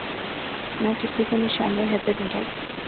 نہ کسی کو نشان حیدر ملا